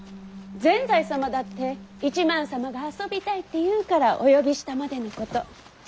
善哉様だって一幡様が遊びたいって言うからお呼びしたまでのこと。